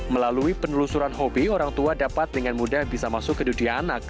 melalui penelusuran hobi orang tua dapat dengan mudah bisa masuk ke dunia anak